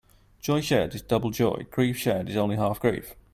Joy shared is double joy; grief shared is only half grief.